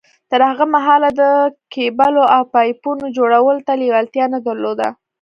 تر هغه مهاله ده د کېبلو او پايپونو جوړولو ته لېوالتيا نه درلوده.